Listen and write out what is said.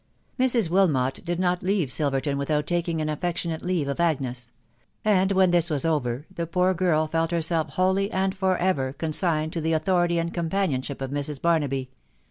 Mrs. Wilmot did not leave Silverton without taking an af fectionate leave of Agnes ; and when this was over, the poor girl felt herself wholly, and for ever, consigned to the au thority and companionship of Mrs. Barnahy.